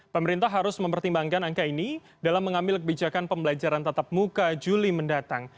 pemerintah harus mempertimbangkan angka ini dalam mengambil kebijakan pembelajaran tatap muka juli mendatang